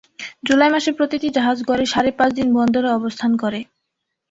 জুলাই মাসে প্রতিটি জাহাজ গড়ে সাড়ে পাঁচ দিন বন্দরে অবস্থান করে।